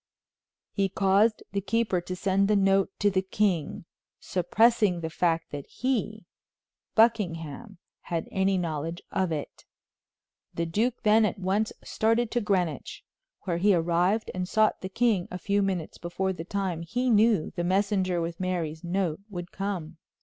He caused the keeper to send the note to the king, suppressing the fact that he, Buckingham, had any knowledge of it. The duke then at once started to Greenwich, where he arrived and sought the king a few minutes before the time he knew the messenger with Mary's note would come.